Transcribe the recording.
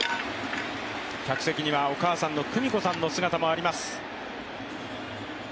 客席にはお母さんの久美子さんの姿もあります。